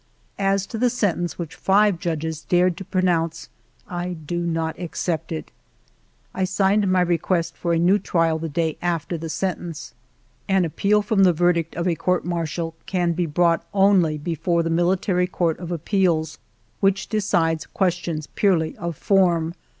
As to the sentence which five judges dared to pronounce, I do not accept it. I signed my request for a new trial the day after the sentence. An appeal from the verdict 3o8 FIVE YEARS OF MY LIFE of a Court Martial can be brought only before the Military Court of Appeals, which decides questions purely of form.